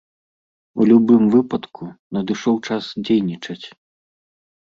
У любым выпадку, надышоў час дзейнічаць!